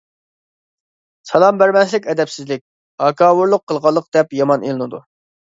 سالام بەرمەسلىك ئەدەپسىزلىك، ھاكاۋۇرلۇق قىلغانلىق دەپ يامان ئېلىنىدۇ.